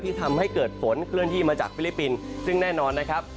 ทำให้เกิดฝนเคลื่อนที่มาจากฟิลิปปินส์ซึ่งแน่นอนนะครับ